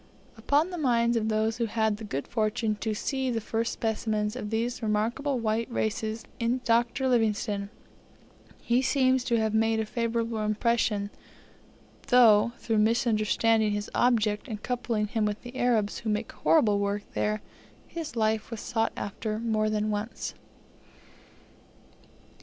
Upon the minds of those who had the good fortune to see the first specimen of these remarkable white races in Dr. Livingstone, he seems to have made a favourable impression, though, through misunderstanding his object, and coupling him with the Arabs, who make horrible work there, his life was sought after more than once.